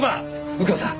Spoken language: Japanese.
右京さん